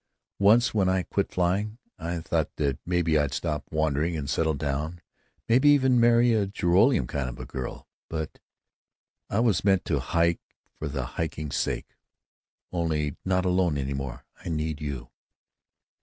Once, when I quit flying, I thought that maybe I'd stop wandering and settle down, maybe even marry a Joralemon kind of a girl. But I was meant to hike for the hiking's sake.... Only, not alone any more. I need you....